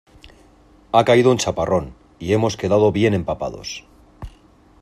Ha caído un chaparrón ¡y hemos quedado bien empapados!